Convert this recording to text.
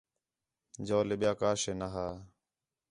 جَولے ٻِیا کا شے نا ہا